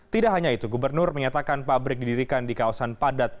tidak hanya itu gubernur menyatakan pabrik didirikan di kawasan padat